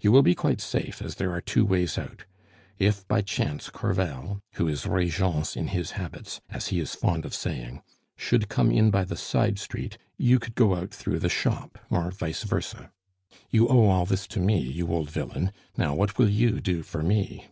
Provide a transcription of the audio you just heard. You will be quite safe, as there are two ways out. If by chance Crevel, who is Regence in his habits, as he is fond of saying, should come in by the side street, you could go out through the shop, or vice versa. "You owe all this to me, you old villain; now what will you do for me?"